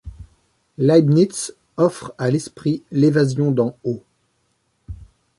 Leibniz offre à l’esprit l’évasion d’en haut